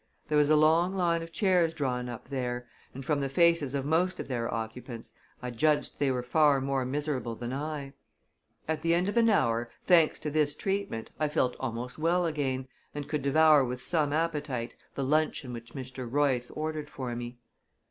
There was a long line of chairs drawn up there, and from the faces of most of their occupants, I judged they were far more miserable than I. At the end of an hour, thanks to this treatment, I felt almost well again, and could devour with some appetite the luncheon which Mr. Royce ordered for me.